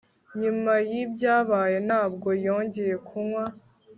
Nyuma yibyabaye ntabwo yongeye kunywa